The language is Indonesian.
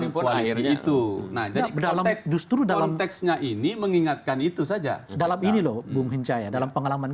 koalisi itu nah dalam konteksnya ini mengingatkan itu saja dalam ini loh bung hincaya dalam pengalaman